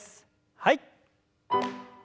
はい。